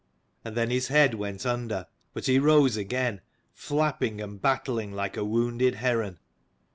And then his head went under: but he rose again, flapping and battling like a wounded heron.